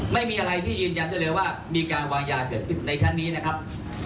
ไม่มีอะไรที่ยืนยันได้เลยว่ามีการวางยาเกิดขึ้นในชั้นนี้นะครับ